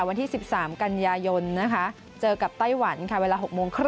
วันที่๑๓กันยายนนะคะเจอกับไต้หวันค่ะเวลา๖โมงคร